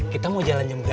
kita mau jalan nyamuk apa